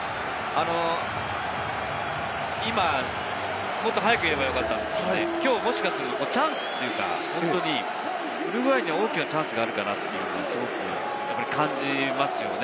今、もっと早く言えばよかったんですけれども、きょうもしかすると、チャンスというか、ウルグアイには大きなチャンスがあるかなって感じますよね。